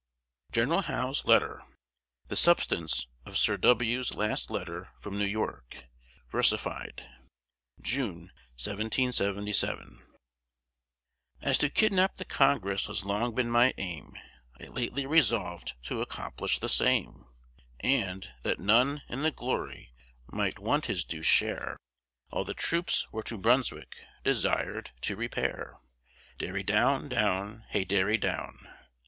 GENERAL HOWE'S LETTER The substance of Sir W.'s last letter from New York, versified. [June, 1777] As to kidnap the Congress has long been my aim, I lately resolv'd to accomplish the same; And, that none, in the glory, might want his due share, All the troops were to Brunswick desir'd to repair. Derry down, down, hey derry down.